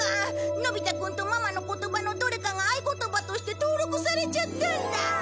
のび太くんとママの言葉のどれかが合言葉として登録されちゃったんだ！